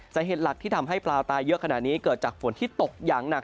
สาเหตุหลักที่ทำให้ปลาตายเยอะขนาดนี้เกิดจากฝนที่ตกอย่างหนัก